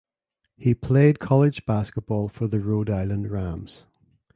He played college basketball for the Rhode Island Rams.